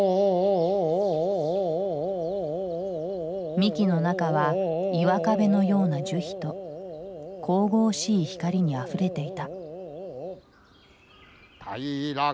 幹の中は岩壁のような樹皮と神々しい光にあふれていた。